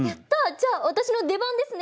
じゃあ私の出番ですね！